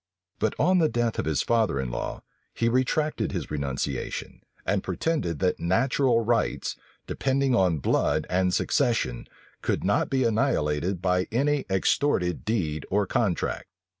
But on the death of his father in law, he retracted his renunciation, and pretended that natural rights, depending on blood and succession, could not be annihilated by any extorted deed or contract.